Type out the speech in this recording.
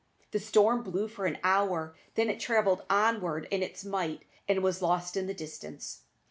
The storm blew for an hour, then it travelled onward in its might, and was lost in the distance.